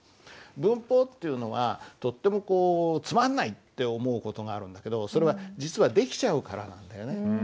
文法っていうのはとってもこう「つまんない！」って思う事があるんだけどそれは実はできちゃうからなんだよね。